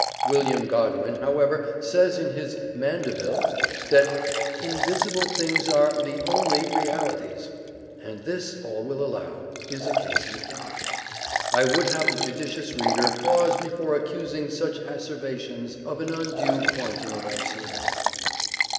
William Godwin, however, says in his "Mandeville," that "invisible things are the only realities," and this, all will allow, is a case in point. I would have the judicious reader pause before accusing such asseverations of an undue quantum of absurdity.